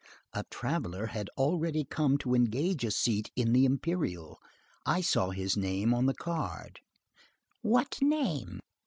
"A traveller had already come to engage a seat in the imperial. I saw his name on the card." "What name?"